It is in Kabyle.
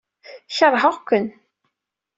Keṛheɣ-ken.